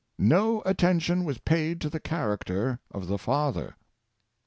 No attention was paid to the characte}' of the father.'''